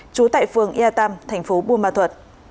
trú tại phường ea tam thành phố buôn ma thuật